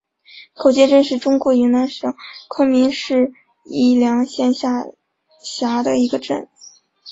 狗街镇是中国云南省昆明市宜良县下辖的一个镇。